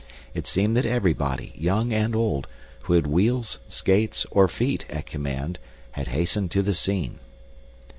It seemed that everybody, young and old, who had wheels, skates, or feet at command had hastened to the scene.